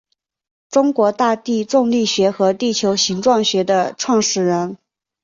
中国大地重力学和地球形状学的创始人。